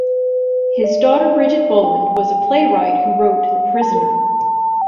His daughter Bridget Boland was a playwright who wrote the "The Prisoner".